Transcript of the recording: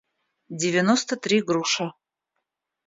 девяносто три груши